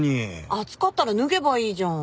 暑かったら脱げばいいじゃん。